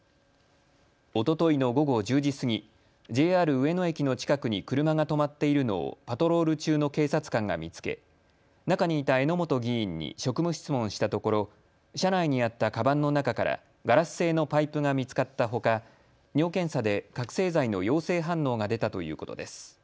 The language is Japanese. おとといの午後１０時過ぎ、ＪＲ上野駅の近くに車が止まっているのをパトロール中の警察官が見つけ中にいた榎本議員に職務質問したところ、車内にあったかばんの中からガラス製のパイプが見つかったほか尿検査で覚醒剤の陽性反応が出たということです。